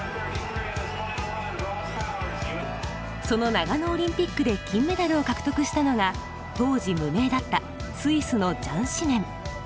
その長野オリンピックで金メダルを獲得したのが当時無名だったスイスのジャン・シメン。